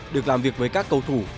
được làm việc với các cầu thủ